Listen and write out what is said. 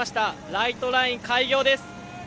ライトライン開業です。